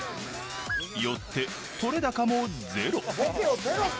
よって撮れ高もゼロ。